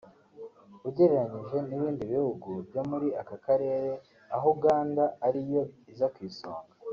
ugereranyije n’ibindi bihugu byo muri aka karere aho Uganda ariyo iza ku isonga